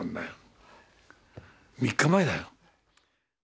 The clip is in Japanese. ３日前だよ？